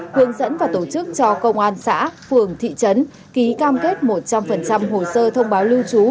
hướng dẫn và tổ chức cho công an xã phường thị trấn ký cam kết một trăm linh hồ sơ thông báo lưu trú